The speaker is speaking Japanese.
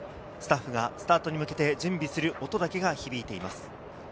スタッフがスタートに向けて準備する音だけが響いています。